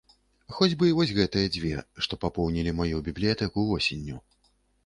Хоць бы і вось гэтыя дзве, што папоўнілі маю бібліятэку восенню.